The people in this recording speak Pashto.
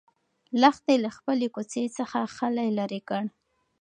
لښتې له خپلې کوڅۍ څخه خلی لرې کړ.